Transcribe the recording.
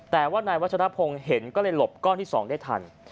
แต่ว่านายวัชรพงศ์เห็นก็เลยหลบก้อนที่๒ได้ทัน